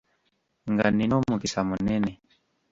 Nga nina omukisa munene!